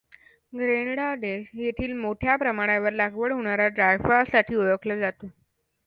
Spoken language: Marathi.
ग्रेनेडा देश येथील मोठ्या प्रमाणावर लागवड होणाऱ्या जायफळासाठी ओळखला जातो.